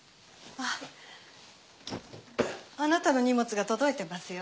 あなたの荷物が届いてますよ。